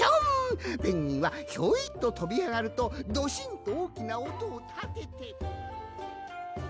ペンギンはひょいととびあがるとドシンとおおきなおとをたてて。